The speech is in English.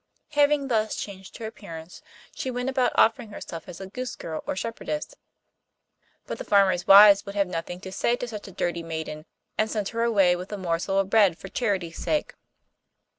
Having thus changed her appearance, she went about offering herself as a goose girl or shepherdess. But the farmers' wives would have nothing to say to such a dirty maiden, and sent her away with a morsel of bread for charity's sake.